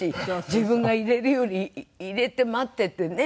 自分が入れるより入れて待っててね